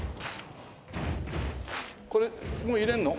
これもう入れるの？